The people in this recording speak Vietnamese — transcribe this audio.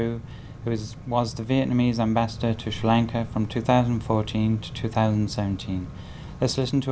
người đảm nhiệm chức vụ đại sứ việt nam tại sri lanka từ năm hai nghìn một mươi bốn đến năm hai nghìn một mươi bảy